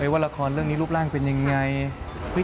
ว่าละครเรื่องนี้รูปร่างเป็นยังไง